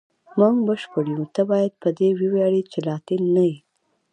موږ بشپړ یو، ته باید په دې وویاړې چې لاتین نه یې.